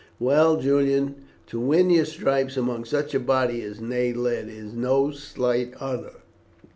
Well, Julian, to win your stripes among such a body as Ney led is no slight honour."